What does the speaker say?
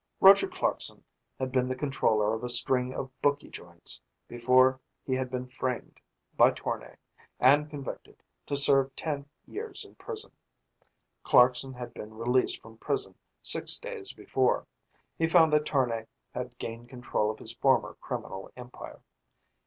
Roger Clarkson had been the controller of a string of bookie joints, before he had been framed by Tournay, and convicted, to serve ten years in prison. Clarkson had been released from prison six days before. He found that Tournay had gained control of his former criminal empire.